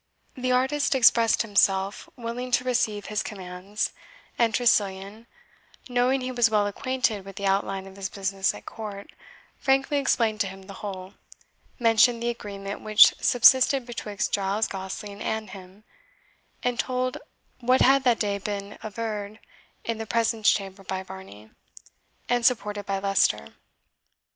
The artist expressed himself willing to receive his commands, and Tressilian, knowing he was well acquainted with the outline of his business at court, frankly explained to him the whole, mentioned the agreement which subsisted betwixt Giles Gosling and him, and told what had that day been averred in the presence chamber by Varney, and supported by Leicester.